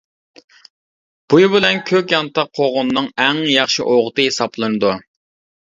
بۇيا بىلەن كۆك يانتاق قوغۇننىڭ ئەڭ ياخشى ئوغۇتى ھېسابلىنىدۇ.